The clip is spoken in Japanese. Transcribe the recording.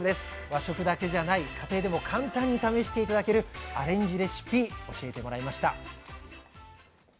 和食だけじゃない家庭でも簡単に試して頂けるアレンジレシピ教えてもらいました。